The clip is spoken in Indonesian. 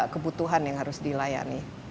kebutuhan yang harus dilayani